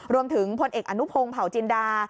พลเอกอนุพงศ์เผาจินดา